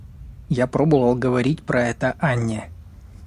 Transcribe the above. Я пробовал говорить про это Анне.